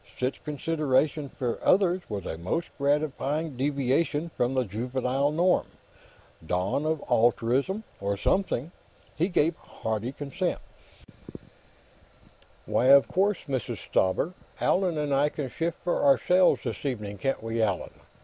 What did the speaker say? Such consideration for others was a most gratifying deviation from the juvenile norm; dawn of altruism, or something. He gave hearty assent: "Why, of course, Mrs. Stauber. Allan and I can shift for ourselves, this evening; can't we, Allan?